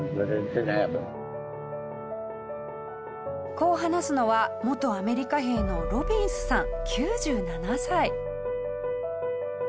こう話すのは元アメリカ兵のロビンスさん９７歳。